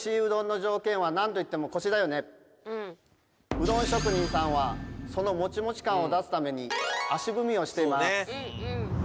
うどん職人さんはそのモチモチ感を出すために「足踏み」をしています。